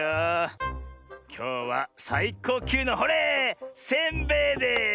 きょうはさいこうきゅうのほれせんべいです！